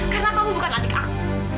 karena kamu bukan adik aku